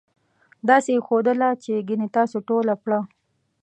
داسې یې ښودله چې ګنې تاسې ټوله پړه.